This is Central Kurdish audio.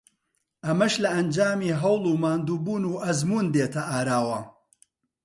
ئەمەش لە ئەنجامی هەوڵ و ماندووبوون و ئەزموون دێتە ئاراوە